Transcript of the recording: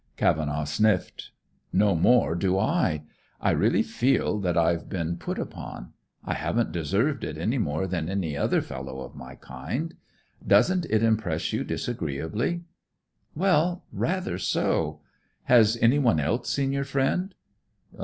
Cavenaugh sniffed. "No more do I. I really feel that I've been put upon. I haven't deserved it any more than any other fellow of my kind. Doesn't it impress you disagreeably?" "Well, rather so. Has anyone else seen your friend?"